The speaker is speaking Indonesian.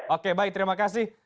oke baik terima kasih